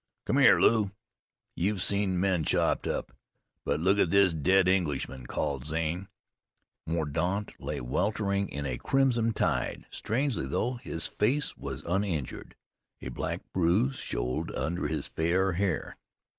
"Come here, Lew. You've seen men chopped up; but look at this dead Englishman," called Zane. Mordaunt lay weltering in a crimson tide. Strangely though, his face was uninjured. A black bruise showed under his fair hair.